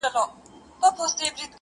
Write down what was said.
خبر اوسه چي دي نور ازارومه-